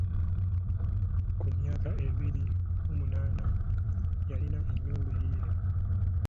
Ku myaka abiri mu munaana yalina ennyumba eyiye.